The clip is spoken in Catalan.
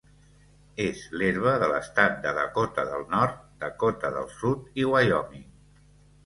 És l'herba de l'estat de Dakota del Nord, Dakota del Sud i Wyoming.